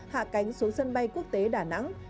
hạ cánh xuống sân bay quốc tế đà nẵng